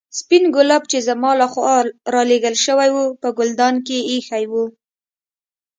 سپين ګلاب چې زما له خوا رالېږل شوي وو په ګلدان کې ایښي وو.